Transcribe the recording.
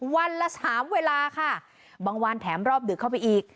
วันละสามเวลาค่ะบางวันแถมรอบดึกเข้าไปอีก